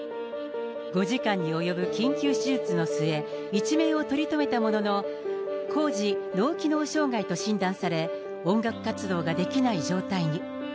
５時間に及ぶ緊急手術の末、一命を取り留めたものの、高次脳機能障害と診断され、音楽活動ができない状態に。